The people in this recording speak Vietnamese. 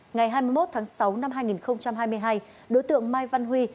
ngày hai mươi một tháng sáu năm hai nghìn hai mươi hai đối tượng mai văn huy